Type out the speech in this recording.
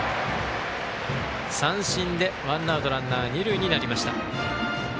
三振でワンアウトランナー、二塁になりました。